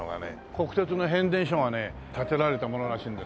国鉄の変電所がねたてられたものらしいんです。